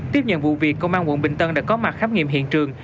tiếp nhận vụ việc công an quận bình tân đã có mặt khám nghiệm hiện trường